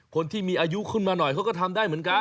คนที่มีอายุขึ้นมาหน่อยเขาก็ทำได้เหมือนกัน